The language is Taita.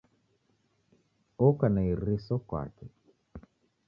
Oka na iriso kwake.